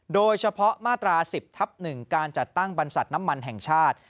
โดยเฉพาะมาตรา๑๐ทับ๑การจัดตั้งบรรษัทน้ำมันแห่งชาติ